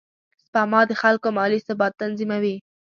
سپما د خلکو مالي ثبات تضمینوي.